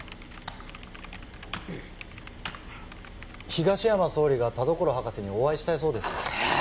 東山総理が田所博士にお会いしたいそうですああ